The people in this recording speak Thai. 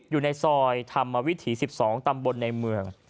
อยู่ในซอยธรรมวิถี๑๒ตำบลในเมือง